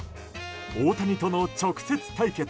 大谷との直接対決。